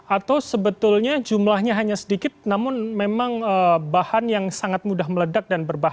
atau sebetulnya jumlahnya hanya sedikit namun memang bahan yang sangat mudah meledak dan berbahaya